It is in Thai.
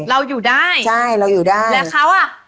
เราอยู่ได้ใช่เราอยู่ได้แล้วเขาอ่ะ